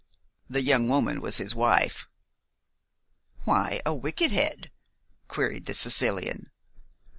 The young woman was his wife. "Why a wicked head?" queried the Sicilian.